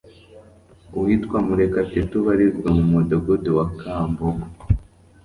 Uwitwa MUREKATETE ubarizwa mu Mudugudu wa Kambogo